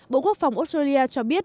bộ quốc phòng australia cho biết